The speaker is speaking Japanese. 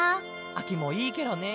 あきもいいケロね！